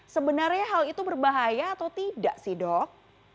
sebenarnya hal itu berbahaya atau tidak sih dok